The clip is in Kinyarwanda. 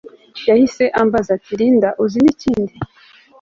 yahise ambaza ati Linda uzi nikindi